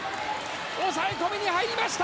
抑え込みに入りました。